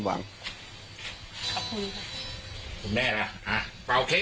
ของขวัญ